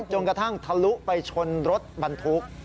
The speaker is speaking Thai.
กระทั่งทะลุไปชนรถบรรทุก